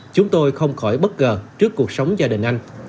chúng tôi không khỏi bất ngờ trước cuộc sống gia đình anh